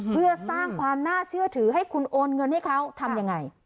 เพื่อสร้างความน่าเชื่อถือให้คุณโอนเงินให้เขาทำยังไง